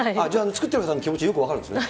作ってる人の気持ち、よく分かるんですね。